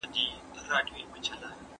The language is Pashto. دا سينه سپينه له هغه پاکه ده.